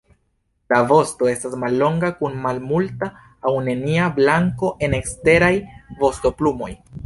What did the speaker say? La vosto estas mallonga kun malmulta aŭ nenia blanko en eksteraj vostoplumoj.